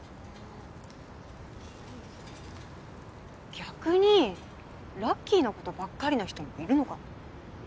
逆にラッキーなことばっかりの人もいるのかな？